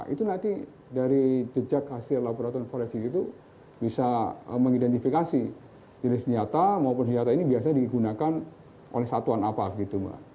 itu nanti dari jejak hasil laboratorium forensik itu bisa mengidentifikasi jenis senjata maupun senjata ini biasanya digunakan oleh satuan apa gitu mbak